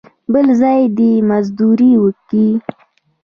بل ځای دې مزدوري وکي.